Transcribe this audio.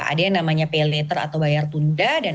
ada yang namanya pay letter atau bayar tukang